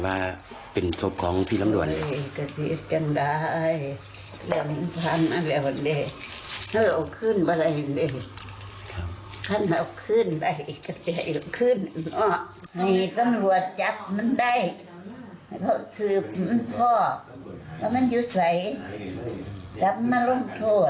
แล้วก็ถือพ่อแล้วก็มันอยู่ใส่จับมาร่วมโทษ